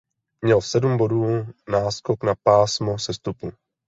Měl sedm bodů náskok na pásmo sestupu.